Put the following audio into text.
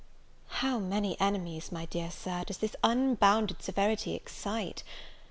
How many enemies, my dear Sir, does this unbounded severity excite!